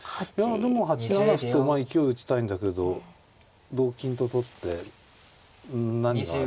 ８七歩とまあ勢い打ちたいんだけど同金と取って何があるかと。